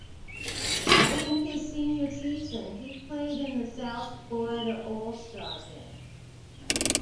Following his senior season he played in the South Florida All-Star Game.